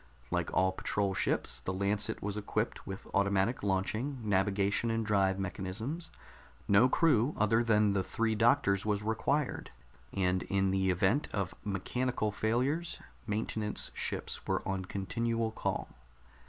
Like all patrol ships, the Lancet was equipped with automatic launching, navigation and drive mechanisms; no crew other than the three doctors was required, and in the event of mechanical failures, maintenance ships were on continual call.